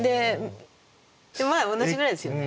でまあ同じぐらいですよね。